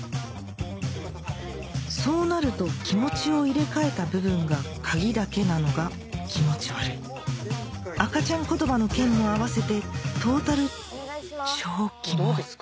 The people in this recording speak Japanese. そうなると気持ちを入れ替えた部分が鍵だけなのが気持ち悪い赤ちゃん言葉の件も合わせてトータル超キモいどうですか？